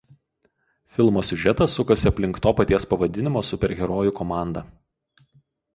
Filmo siužetas sukasi aplink to paties pavadinimo superherojų komandą.